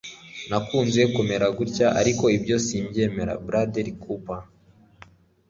Nakunze kumera gutya. Ariko ibyo simbyemera. ”- Bradley Cooper